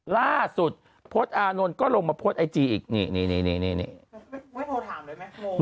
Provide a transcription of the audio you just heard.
ล่าสุดโพสต์อานนท์ก็ลงมาโพสต์ไอจีอีกนี่นี่นี่นี่นี่นี่ไม่โทรถามเลยมั้ย